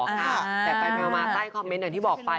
แต่ไปมาใต้คอมเมนต์อย่างที่บอกไป